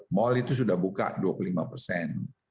mal itu sudah buka dua puluh lima persen